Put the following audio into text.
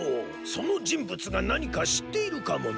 そのじんぶつがなにかしっているかもね。